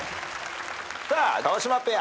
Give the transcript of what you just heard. さあ川島ペア。